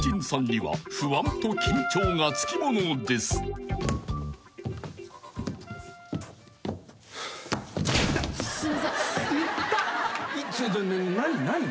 はい。